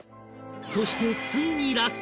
そしてついにラスト